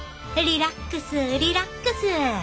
リラックスリラックス。